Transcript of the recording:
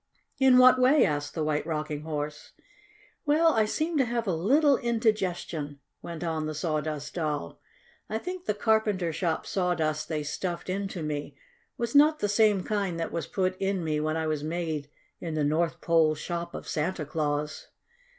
"In what way?" asked the White Rocking Horse. "Well, I seem to have a little indigestion," went on the Sawdust Doll. "I think the carpenter shop sawdust they stuffed into me was not the same kind that was put in me when I was made in the North Pole shop of Santa Claus."